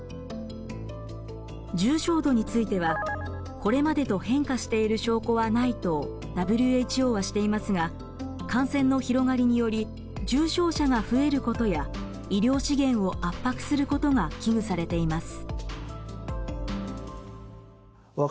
重症度については「これまでと変化している証拠はない」とＷＨＯはしていますが感染の広がりにより重症者が増えることや医療資源を圧迫することが危惧されています。